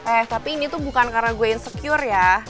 eh tapi ini tuh bukan karena gue insecure ya